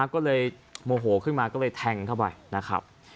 ก็เลยโมโหขึ้นมาก็เลยแทงเข้าไปนะครับ